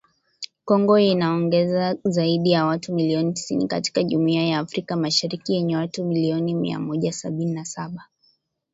Kongo inaongeza zaidi ya watu milioni tisini katika Jumuiya ya Afrika Mashariki yenye watu milioni mia moja sabini na saba.